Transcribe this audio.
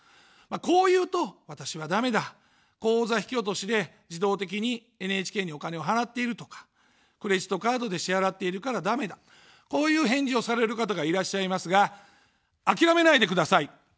こう言うと、私はだめだ、口座引き落としで自動的にＮＨＫにお金を払っているとか、クレジットカードで支払ってるからだめだ、こういう返事をされる方がいらっしゃいますが、諦めないでください。